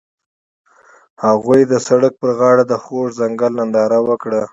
هغوی د سړک پر غاړه د خوږ ځنګل ننداره وکړه.